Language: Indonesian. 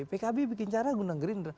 pkb bikin acara undang gerindra